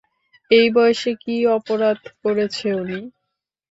এই বয়সে কী অপরাধ করেছে উনি?